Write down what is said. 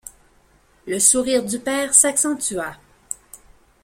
Le sourire du père s’accentua.